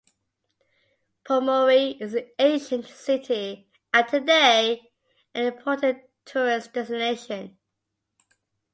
Pomorie is an ancient city and today an important tourist destination.